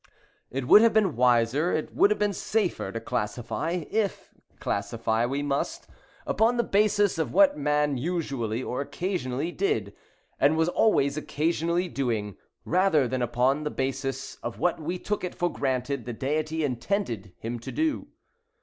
It would have been wiser, it would have been safer, to classify (if classify we must) upon the basis of what man usually or occasionally did, and was always occasionally doing, rather than upon the basis of what we took it for granted the Deity intended him to do.